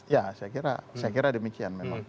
ya saya kira demikian memang